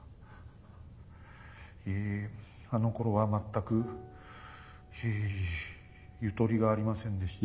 ええあのころは全くええゆとりがありませんでした。